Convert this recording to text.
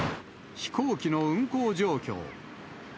飛行機の運航状況。